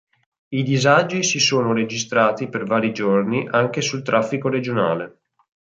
I disagi si sono registrati per vari giorni anche sul traffico regionale.